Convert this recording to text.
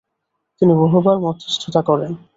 তিনি বহুবার মধ্যস্থতা করেন।